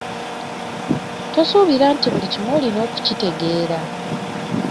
Tosuubira nti buli kimu olina okukitegeera.